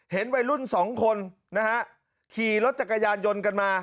วัยรุ่นสองคนนะฮะขี่รถจักรยานยนต์กันมา